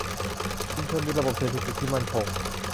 ชุมชนมีระบบเศรษฐกิจที่มั่นคง